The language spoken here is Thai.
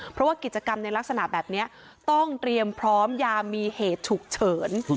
เพราะว่ากิจกรรมในลักษณะแบบนี้ต้องเตรียมพร้อมอย่ามีเหตุฉุกเฉิน